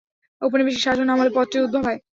ঔপনিবেশিক শাসনামলে পদটির উদ্ভব হয়।